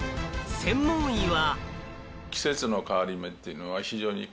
専門医は。